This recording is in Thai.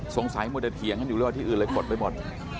สงสัยมัวแต่เถียงกันอยู่หรือว่าที่อื่นเลยกดไปหมด